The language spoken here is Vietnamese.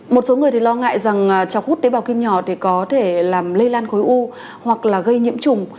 một số người thì lo ngại rằng chọc hút tế bào kim nhỏ thì có thể làm lây lan khối u hoặc là gây nhiễm chủng